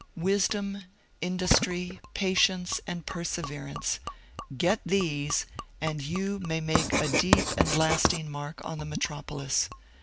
Wisdom, industry, patience, and perseverance — get these, and you may make a deep and last ing mark on the Metropolis.